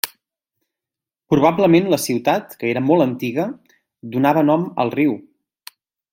Probablement la ciutat, que era molt antiga, donava nom al riu.